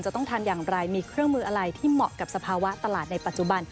ต้องทำอย่างไรมีเครื่องมืออะไรที่เหมาะกับสภาวะตลาดในปัจจุบัน